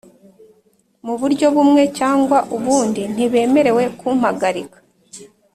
Muburyo bumwe cyangwa ubundi ntibemerewe kumpagarika